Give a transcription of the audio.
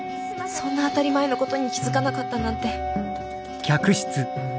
そんな当たり前のことに気付かなかったなんて。